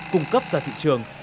cung cấp ra thị trường